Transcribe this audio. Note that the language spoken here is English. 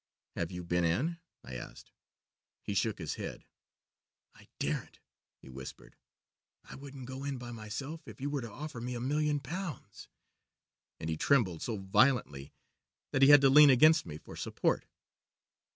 "'Have you been in?' I asked. "He shook his head. 'I daren't,' he whispered. 'I wouldn't go in by myself if you were to offer me a million pounds,' and he trembled so violently that he had to lean against me for support.